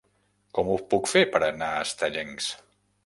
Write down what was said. Com ho puc fer per anar a Estellencs?